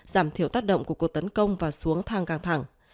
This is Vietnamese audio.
giảm thiểu tác động của cuộc tấn công và xuống thang căng thẳng